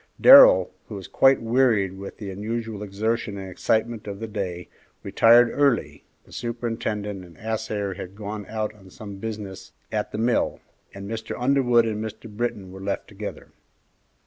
Darrell, who was quite wearied with the unusual exertion and excitement of the day, retired early, the superintendent and assayer had gone out on some business at the mill, and Mr. Underwood and Mr. Britton were left together.